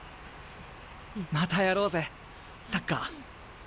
またやろうぜサッカー。